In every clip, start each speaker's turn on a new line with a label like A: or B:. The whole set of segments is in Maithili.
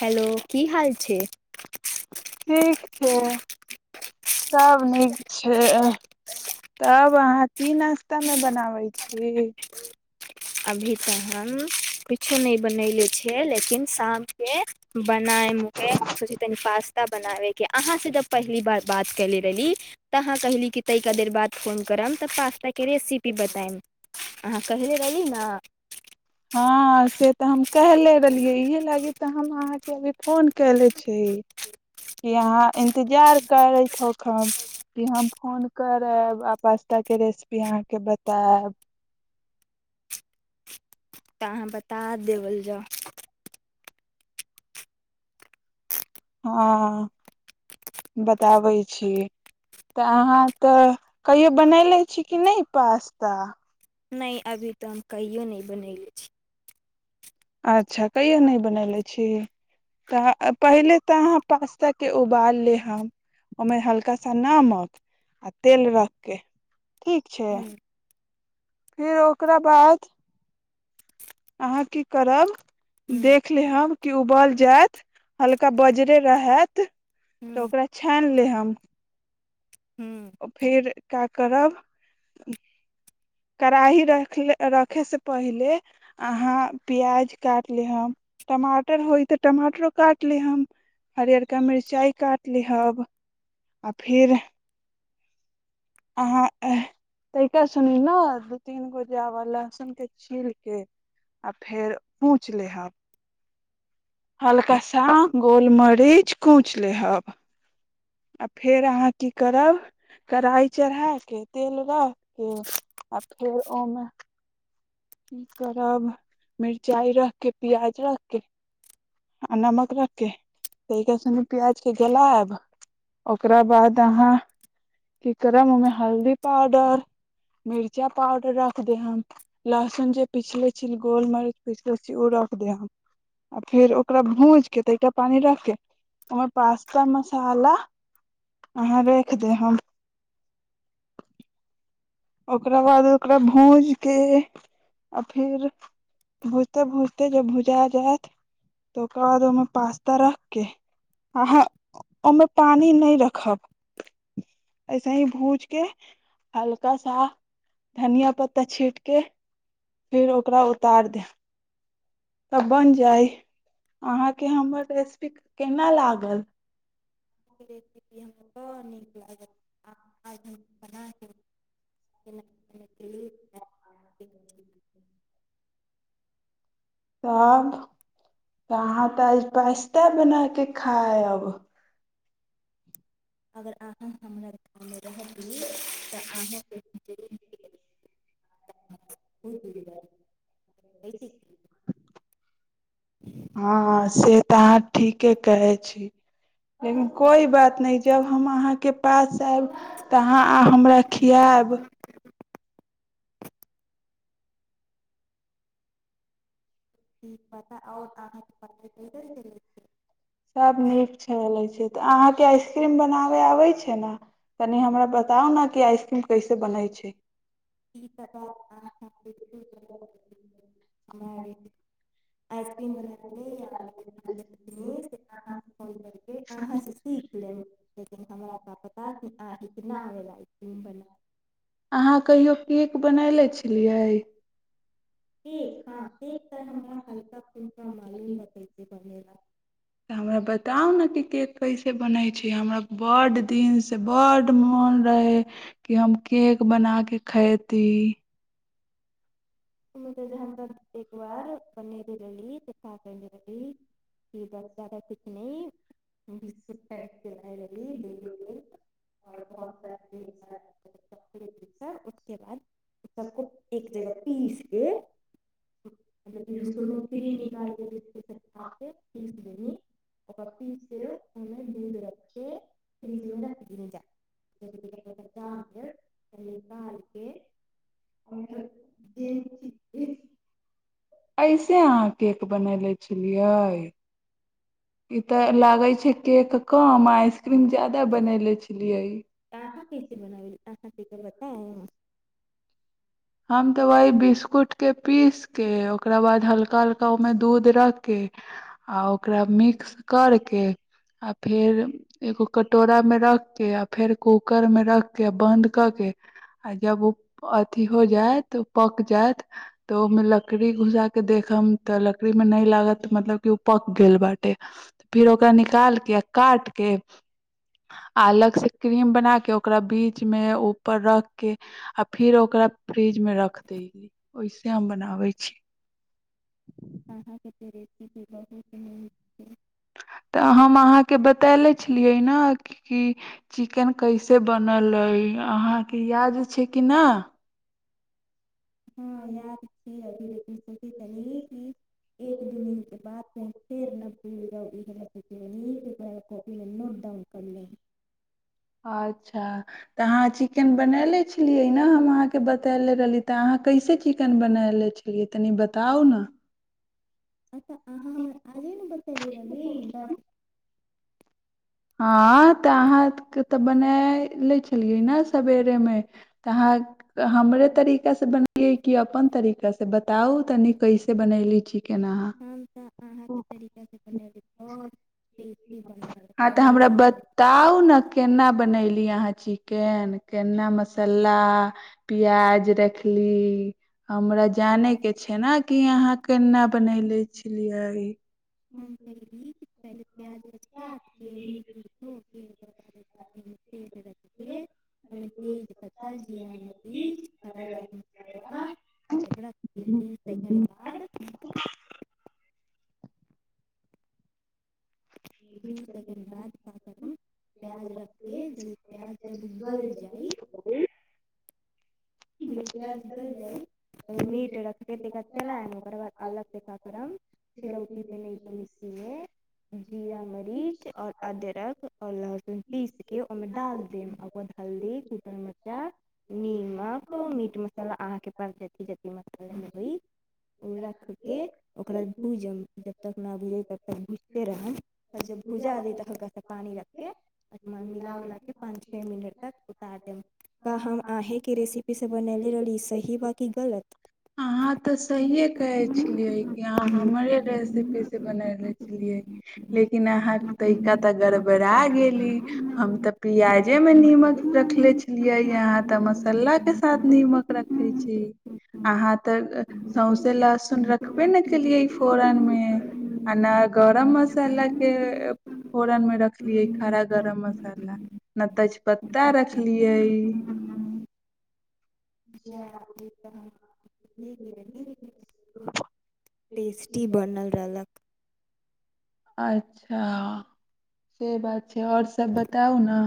A: हेलो की हाल छै
B: सब नीक छै ऐंह तब अहाँ की नाश्ता मे बनाबै छी
A: अभी तऽ हम किछो नहि बनयले छियै लेकिन शामके बनायम के सोचय छी तनी पास ता बनाबे के अहाँ से जे पहली बार बात केले रहली तऽ अहाँ कहली तनिका देर बाद फोन करब तऽ पास्ता के रेसिपी बताएम अहाँ
B: से तऽ हम कहले रहलियै इहे लागी तऽ हम अहाँक अभी फोन कैले छी कि अहाँ इन्तजार करैत हौखन कि हम फोन करब आ पास्ता के रेसिपी अहाँके बतायब
A: तऽ अहाँ बता देबल जाउ
B: हँ बताबै छी तऽ अहाँ तऽ कहियो बनैले छी कि नहि पास्ता
A: नहि अभी तऽ हम कहियो नहि बनयले छी
B: अच्छा कहियो नहि बनयले छी तऽ पहिले तऽ अहाँ पास्ताकेँ उबाल लेहब ओहिमे हल्का सा नमक आ तेल रख के ठीक छै फिर ओकरा बाद अहाँ की करब देख लेहब कि उबल जायत हल्का बजरे रहैत तऽ ओकरा छानि लेहब हम ओ फेर का करब कढ़ाही रखल रखयसँ पहिले अहाँ प्याज काट लेहब टमाटर होय तऽ टमाटरो काटि लेहब हरियरका मिर्चाइ काटि लेहब आ फेर अहाँ तनिका सनि ने दू तीन गो जावा लहसुन के छील के आ फेर कूच लेहब हल्का सा गोल मरीच कूच लेहब आ फेर अहाँ की करब कढ़ाही चढ़ा कऽ तेल रख के आ फेर ओहिमे की करब मिरचाइ रखके प्याज रखके आ नमक रख के तनिके सनि प्याजके गलायब ओकरा बाद अहाँ की करब ओहिमे हल्दी पाउडर मिरचा पाउडर रख दे लहसुन जे पिछले छी गोल मरीच पिछले छी ओ रख दे आ फेर ओकरा भूज के तऽ एकटा पानि रखके ओहिमे पास्ता मसाला अहाँ रख दे हम ओकरा बाद ओकरा भूज क आ फेर भूजते भूजते जब भुजा जायत तऽ ओकरा बाद ओहिमे पास्ता रखके अहाँ ओहिमे पानि नहि रखब ऐसे ही भूज के हल्का सा धनिया पत्ता छीट के फेर ओकरा उतारि दै तऽ बनि जाय अहाँके हमर रेसिपी केना लागल
A: [inaudible] ह नीक लागत आ आ हम ब
B: तब त अहाँ तऽ आज पास्ता बना क खायब
A: अगर अहाँ हमरा गाँवमे रहब तऽ अहाँके [inaudible]
B: हँ से तऽ अहाँ ठीके कहै छी लेकिन कोइ बात नहि जब हम अहाँके पास आयब तऽ अहाँ हमरा खियाआब
A: ह्म
B: सब नीक खै छै तऽ अहाँके आइसक्रीम बनाबे आबै छै ने कनि हमरा बताउ ने कि आइसक्रीम कैसे बनैत छै
A: ठीक तऽ [inaudible] ब र आइस क्रीम बन अहाँ से सीख लेब लेकिन हमरा क पता ह क नहि आला कम बन
B: अहाँ कहियो केक बनेले छलियै
A: हँ एक तऽ हमरा हल्का फुलका मालूम बतै छै बनेल
B: के के बनै छै हमरा बड्ड दिनसँ बड्ड मोन रहै कि हम केक बना कऽ खयती
A: सु हमस एक बार बन दरली च हकिरै बाद जह पीस के मतलब कि बिस्कुटमे फ्रीम निकालत बिस्कुट अच्छाे पीस देनी ओ पीस ओमे दूध रखे फ्रिजमे रख दनी ज ालिक जी
B: ऐसे अहाँ केक बनले छलियै ई तऽ लागै छै केक कम आइसक्रीम जादा बनेले छलियै
A: अच्छा ठीके बताए
B: हम तऽ वही बिस्कुट के पीस के ओकरा बाद हल्का हल्का ओहिमे दूध रखके आ ओकरा मिक्स करके आ फेर एगो कटोरामे रखके आ फेर कूकर मे रखके बन्द कऽ के आ जब ओ अथि अ हो जायत पक जायत तऽ ओमे लकड़ी घुसा के देखम तऽ लकड़ी में नहि लागत मतलब क ओ पक गेल बाटे फिर ओकरा निकाल के आ काट के आल क्रीम बना के ओकरा बीचमे र रके आ फिर ओकरा फ्रिज मे रख देली ओहिसे हम बनाबै छी
A: अहाँके ती बहुत ह
B: तऽ हम अहाँके बताले छलियै ने कि चिकेन कैसे बन सुनल अहाँके याद छै कि नहि
A: हँ याद छै अभी लेकिन सोची तनी एक दू दिन के बाद कही फेर न भूलनी कॉपी मे नोट डाउन कर ले
B: अच्छा तऽ अहाँ चिकेन बनायनेे छलियै ने हम अहाँके बतयले रहली तऽ अहाँ कैसे चिकेन बनाले छलियै तनि बताउ ने हँ तऽ अहाँके तऽ बनाय ले छलियै ने सवेरेमे तऽ अहाँ हमरे तरीका से बनेलियै कि अपन तरीका से बताउ तनी कैसे बनली छी
A: हम तऽ अहाँके तरीका से बनेबी आओर टेस्टी बनल
B: ह तऽ हमरा बताउ ने केना बनली अहाँ चीज केना मसाला प्याज रखली हमरा जाने के छै ने की अहाँ केना बनैले पछलियइ
A: ह चीे प्याज
B: ह
A: ठीक
B: [unintelligible] ट
A: प जा मीट रखके चलायब ओकर बाद अलग काकम तिलौती पनके मििकचीमे जीरा मरीच आओर अदरक आओर लहसुन पीसके ओहिमे डाल देब ओकराद हल्दी कुटल मरचा निीमक मीट मसाला अहाँके पासथ ज मसाला होइ ओ रख के ओकरा भूजम जब तक न भुजै तब तक भुजते रहब जब भुजा देै तऽ ओकरराँ पानी रख के मिला उलाके पाँच छओ मिनट तक उतार देब तऽ हम अहेँके रेसीपी बनले रहली सही बाकी गलत
B: यहाँ ते सहिे कहे छलिये क अहााँ हमरे रेसिपी से बनले छलिये लेकिन अहा तिका ते गड़बड़ा गेली हम ते प्याजे मे नीमक रखले छिये यहा ते मसाला के साथ निमक रखे छी आहाँ त संस्थ ल े केल फोरन मे गरम मसाला के फोरन मे रखलियै खराा गरम मसाला न तेजपत्ता रखलियै
A: वि एकत
B: [unintelligible]
A: टेस्टी बनल रहलक
B: अच्छा से बात छै आओर सब बताउ ने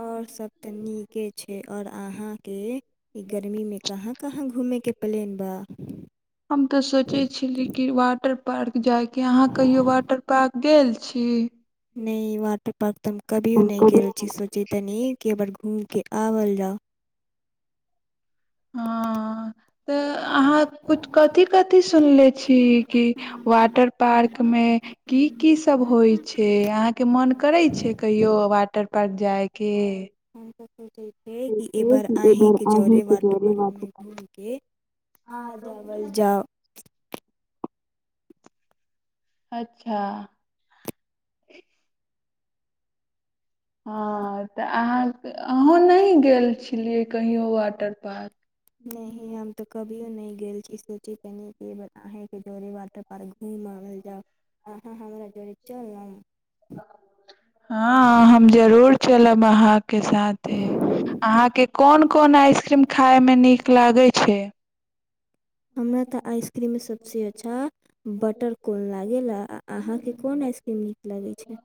A: आओर सबके नीक के छै और अहाँ के ई गर्मी में कहाँ कहाँ घूमे के प्लेन बा
B: हम तऽ सोचै छलीै कि वाटर पार्क जायके अहाँ कहियो वाटर पार्क गेल छी
A: नहि वाटर पार्क त कभियो नहि गेल छी सोचे तनी किार घूम आबल जा
B: हँ तऽ अहाँ कछ कथी कथिी सुनले छी कि वाटर पार्क मे की की सब होइ छै अहाँके मन करै छै कहियो वाटर पड़ जायके
A: ह सोचै छै कि एहिबर अहीँके जरे वाटर पार्कमे घुमिके आ जाओल जाउ
B: अच्छा हँ तऽ आहाँ अह नहि गेल छी लिए कहीो वाटर पार्क
A: नहि हम तो कभीो नहि गेल छी सूची कनि अहीके जड़ी वाटर पार्क घूम आबल जाउ अहाँ हमरा जड़ी चल आउ
B: हँ हम जरूर चलब अहाँके साथे अहााँके कोन कोन आइसक्रीम खायमे नीक लागैत छै
A: हमरा तऽ आइसक्रीमे सब सेी अच्ा बटरकॉन लागै अहाँके कोन आइसक्रीम नीक लगै छै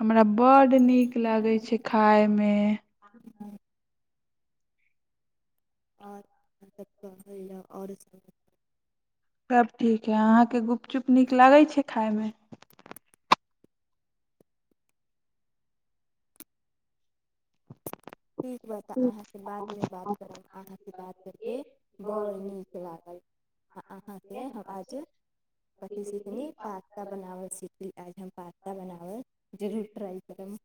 B: हमरा बड्ड नीक लगैत छै खाायमे
A: आऔर तका हलला आऔर
B: सब ठीक है अहाँके गुप्त चुप नीक लागै छै खायमे [unintelligible]
A: ठीक ब तऽ अहाँके बातमे बात करब अहाँके बात कर कऽ बड़ नीक लागल आ अहाँके हम आज कथी सिखल पास्ता बनाबल सीखली आज हम पास्ता बनावऽ जरूर ट्रइ करब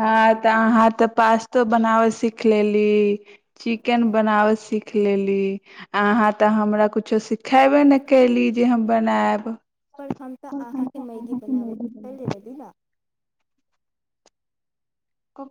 B: हँ तऽ अहाँ तऽ पास्तो बनाबै सिख लेली चिकेन बनावऽ सीख हाँ त हमरा कछ कछो सिखेबे ने कली जे हम बनायब ओ